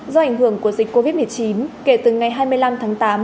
do ảnh hưởng của dịch covid một mươi chín kể từ ngày hai mươi năm tháng tám